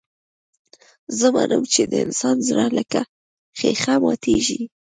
زه منم چې د انسان زړه لکه ښيښه ماتېږي.